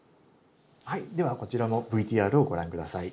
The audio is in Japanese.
はいではこちらもＶＴＲをご覧下さい。